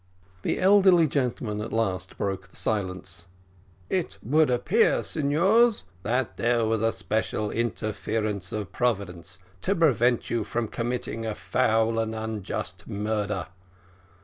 The elderly gentleman at last broke the silence. "It would appear, signors, that there was an especial interference of Providence, to prevent you from committing a foul and unjust murder.